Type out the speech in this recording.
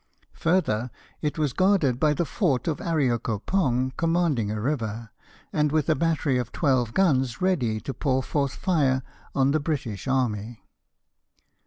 Further, it was guarded by the fort of Areacopong commanding a river, and with a battery of twelve guns ready to pour forth fire on the British army.